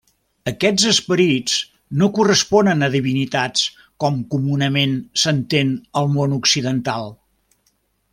Aquests esperits no corresponen a divinitats, com comunament s'entén al món occidental.